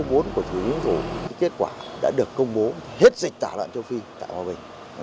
công bố của thủ tướng chính phủ kết quả đã được công bố hết dịch tả lợn châu phi tại hòa bình